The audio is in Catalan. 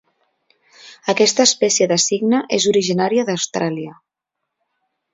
Aquesta espècie de cigne és originària d'Austràlia.